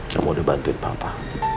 kamu udah bantuin papa